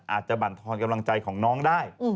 อาจจะบรรทอนกำลังใจของน้องได้